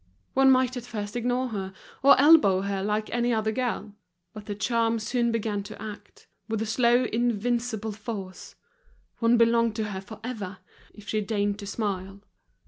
One might at first ignore her, or elbow her like any other girl; but the charm soon began to act, with a slow invincible force; one belonged to her forever, if she deigned to smile.